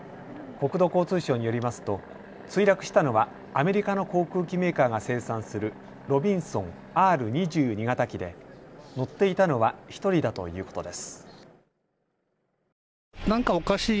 国土交通省によりますと墜落したのはアメリカの航空機メーカーが生産するロビンソンＲ２２型機で乗っていたのは１人だということです。